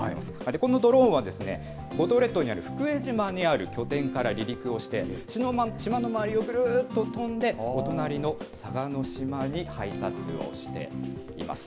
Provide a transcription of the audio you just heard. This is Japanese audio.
このドローンは、五島列島にある福江島にある拠点から離陸をして、島の周りをぐるっと飛んで、お隣の嵯峨島に配達をしています。